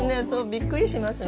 びっくりしますね。